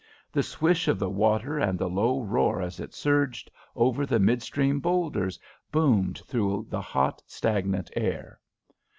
The swish of the water and the low roar as it surged over the mid stream boulders boomed through the hot, stagnant air.